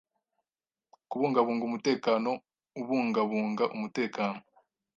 Kubungabunga umutekano ubungabunga umutekano